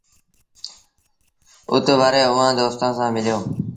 اُتوري اُئآݩ دوستآݩ سآݩ مليو۔